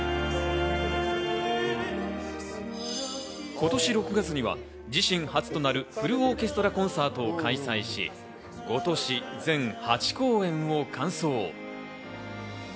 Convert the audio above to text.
今年６月には自身初となるフルオーケストラコンサートを開催し、５都市、全８公演を完走。